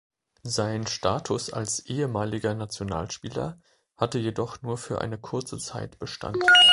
Sein Status als ehemaliger Nationalspieler hatte jedoch nur für eine kurze Zeit bestand.